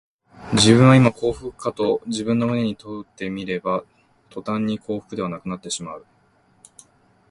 自分はいま幸福かと自分の胸に問うてみれば、とたんに幸福ではなくなってしまう